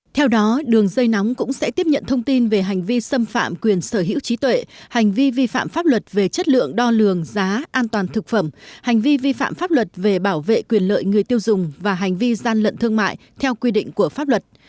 theo đó đường dây nóng cũng sẽ tiếp nhận thông tin về hành vi xâm phạm quyền sở hữu trí tuệ hành vi vi phạm pháp luật về chất lượng đo lường giá an toàn thực phẩm hành vi vi phạm pháp luật về bảo vệ quyền lợi người tiêu dùng và hành vi gian lận thương mại theo quy định của pháp luật